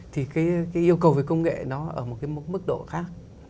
thì cái yêu cầu về công nghệ nó ở một cái mức độ khác